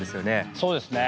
そうですね。